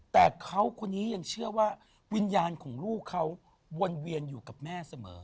แต่เขาคนนี้ยังเชื่อว่าวิญญาณของลูกเขาวนเวียนอยู่กับแม่เสมอ